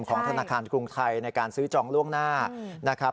ของธนาคารกรุงไทยในการซื้อจองล่วงหน้านะครับ